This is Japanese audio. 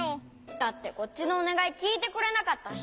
だってこっちのおねがいきいてくれなかったし。